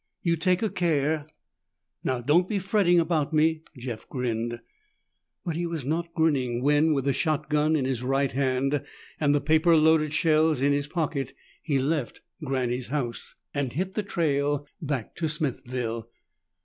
"You take a care." "Now don't be fretting about me." Jeff grinned. But he was not grinning when, with the shotgun in his right hand and the paper loaded shells in his pocket, he left Granny's house and hit the trail back to Smithville.